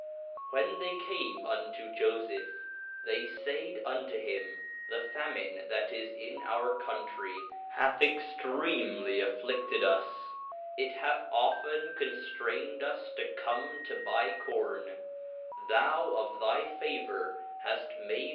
When they came unto ^^7?/?;^, they faid unto him, The famine that is in our Country, hath ex treamly afflidedus, it hath often conftrained us to come to buy Corn ; thou, of thy favor, haft made v.